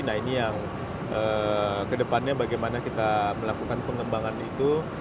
nah ini yang kedepannya bagaimana kita melakukan pengembangan itu